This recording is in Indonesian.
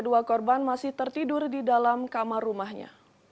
dua korban masih tertidur di dalam kamar rumahnya